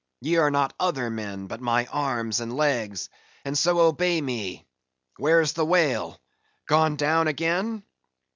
Ye are not other men, but my arms and my legs; and so obey me.—Where's the whale? gone down again?"